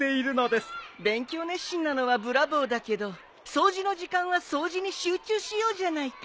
勉強熱心なのはブラボーだけど掃除の時間は掃除に集中しようじゃないか。